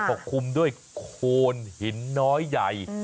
ปกครึ่งด้วยโคนหินหน้อยใหญ่